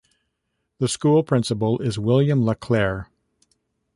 The school principal is William LaClair.